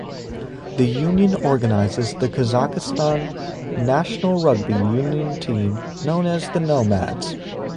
The Union organises the Kazakhstan national rugby union team, known as the "Nomads".